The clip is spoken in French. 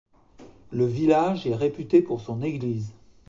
Le village est réputé pour son église.